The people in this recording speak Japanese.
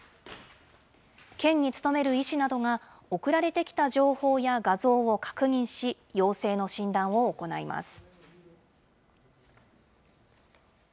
県に勤める医師などが、送られてきた情報や画像を確認し、陽性の診断を行います。